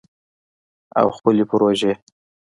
او خپلې پروژې